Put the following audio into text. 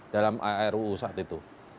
dalam aru saat itu